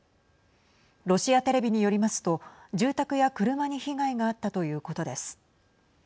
ロシアテレビによりますと住宅や車に被害があったということです。